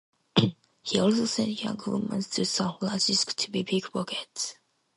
He also sends young women to San Francisco to be pickpockets.